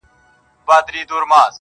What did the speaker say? له لومړۍ ورځي په نورو پسي ګوري -